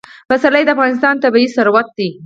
پسرلی د افغانستان طبعي ثروت دی.